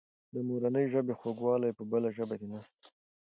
د مورنۍ ژبې خوږوالی په بله ژبه کې نسته.